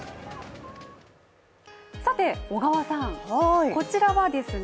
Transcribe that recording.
さて、小川さん、こちらはですね